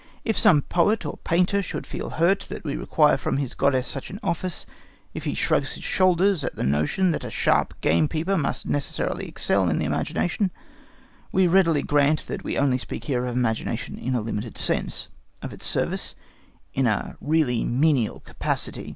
If some great poet or painter should feel hurt that we require from his goddess such an office; if he shrugs his shoulders at the notion that a sharp gamekeeper must necessarily excel in imagination, we readily grant that we only speak here of imagination in a limited sense, of its service in a really menial capacity.